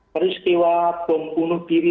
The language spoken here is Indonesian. peristiwa pembunuh diri